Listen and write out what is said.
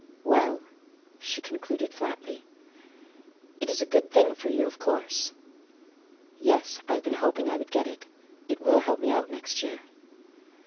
"Well," she concluded flatly, "it is a good thing for you, of course." "Yes, I've been hoping I would get it. It will help me out next year."